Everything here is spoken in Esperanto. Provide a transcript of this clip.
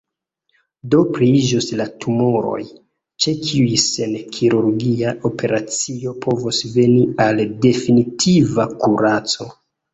Do pliiĝos la tumoroj, ĉe kiuj sen kirurgia operacio povos veni al definitiva kuraco.